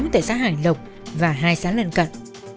tại xã hải lộc và hai xã lần cận